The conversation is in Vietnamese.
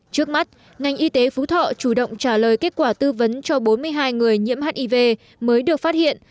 trước mắt ngành y tế phú thọ chủ động trả lời kết quả tư vấn cho bốn mươi hai người nhiễm hiv mới được phát hiện